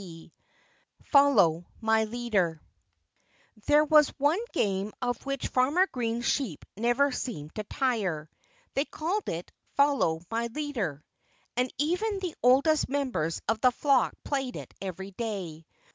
XIII FOLLOW MY LEADER There was one game of which Farmer Green's sheep never seemed to tire. They called it "Follow My Leader." And even the oldest members of the flock played it every day.